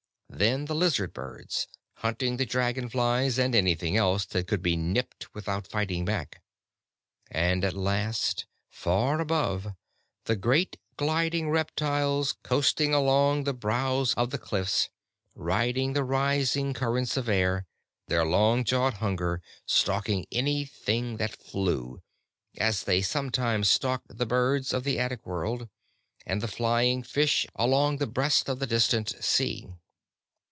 Then the lizard birds, hunting the dragonflies and anything else that could he nipped without fighting back. And at last, far above, the great gliding reptiles coasting along the brows of the cliffs, riding the rising currents of air, their long jawed hunger stalking anything that flew as they sometimes stalked the birds of the attic world, and the flying fish along the breast of the distant sea.